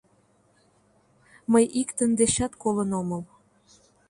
— Мый иктын дечат колын омыл.